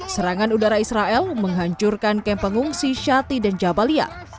serangan udara israel menghancurkan kamp pengungsi shati dan jabalia